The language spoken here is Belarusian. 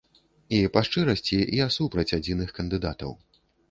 І, па шчырасці, я супраць адзіных кандыдатаў.